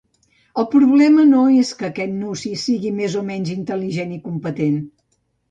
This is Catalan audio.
El problema no és que aquest Nunci sigui més o menys intel·ligent i competent.